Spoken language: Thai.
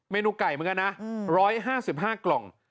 นูไก่เหมือนกันนะ๑๕๕กล่อง